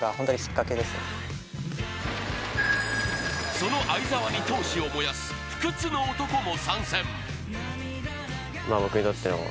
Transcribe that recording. その相澤に闘志を燃やす不屈の男も参戦。